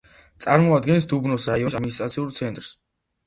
წარმოადგენს დუბნოს რაიონის ადმინისტრაციულ ცენტრს.